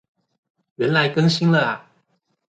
原來更新了啊